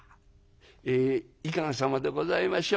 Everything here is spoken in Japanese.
「えいかがさまでございましょう？